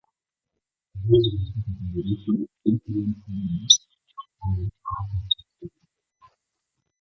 These were typically affluent suburbs on the outskirts of cities.